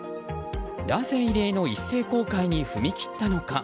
なぜ、異例の一斉公開に踏み切ったのか？